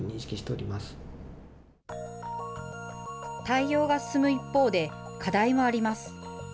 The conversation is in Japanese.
対応が進む一方で課題もあります。